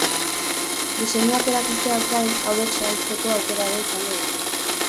Diseinuak erakusteaz gain, hauek saltzeko aukera ere izango dute.